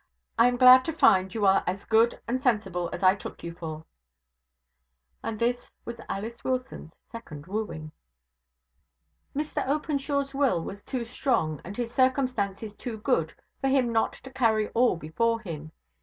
I am glad to find you are as good and sensible as I took you for.' And this was Alice Wilson's second wooing. Mr Openshaw's will was too strong, and his circumstances too good, for him not to carry all before him.